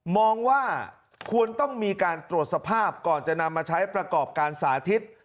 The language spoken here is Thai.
มองว่าควรต้องมีการตรวจสภาพก่อนจะนำมาใช้ประกอบการสาธิต